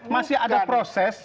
masih ada proses